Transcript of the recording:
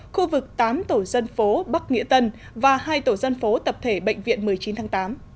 khu vực tám tổ dân phố bắc nghĩa tân và hai tổ dân phố tập thể bệnh viện một mươi chín tháng tám